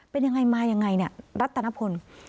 เป็นอย่างไรมาอย่างไรรัตนพล